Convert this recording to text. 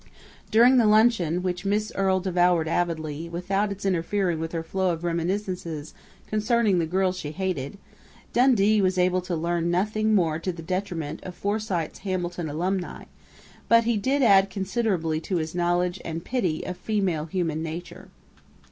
During the luncheon, which Miss Earle devoured avidly, without its interfering with her flow of reminiscences concerning the girls she hated, Dundee was able to learn nothing more to the detriment of Forsyte's Hamilton alumnae, but he did add considerably to his knowledge and pity of female human nature.